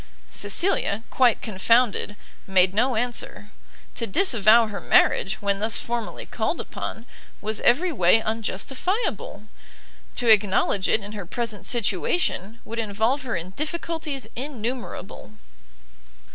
Cecilia, quite confounded, made no answer: to disavow her marriage, when thus formally called upon, was every way unjustifiable; to acknowledge it in her present situation, would involve her in difficulties innumerable.